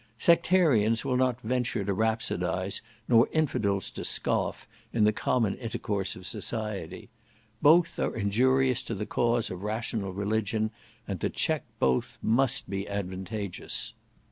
Sectarians will not venture to rhapsodise, nor infidels to scoff, in the common intercourse of society. Both are injurious to the cause of rational religion, and to check both must be advantageous.